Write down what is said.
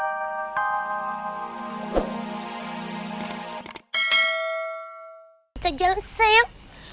kita jalan sayang